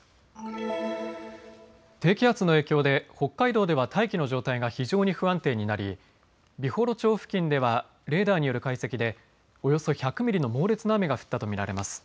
低気圧の影響で北海道では大気の状態が非常に不安定になり美幌町付近ではレーダーによる解析でおよそ１００ミリの猛烈な雨が降ったと見られます。